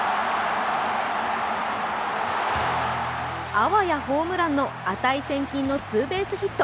あわやホームランの値千金のツーベースヒット。